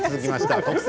「特選！